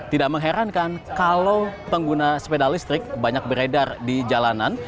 tidak mengherankan kalau pengguna sepeda listrik banyak beredar di jalanan